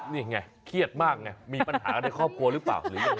นี่ไงเครียดมากไงมีปัญหากับในครอบครัวหรือเปล่า